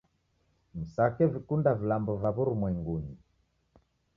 Msake vikunda vilambo va w'urumwengunyi